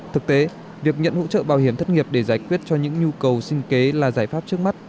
thực tế việc nhận hỗ trợ bảo hiểm thất nghiệp để giải quyết cho những nhu cầu sinh kế là giải pháp trước mắt